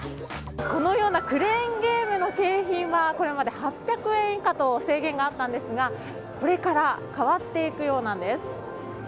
このようなクレーンゲームの景品はこれまで８００円以下と制限があったんですがこれから変わっていくようなんです。